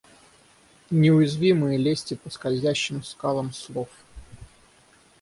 Неуязвимые, лезьте по скользящим скалам слов.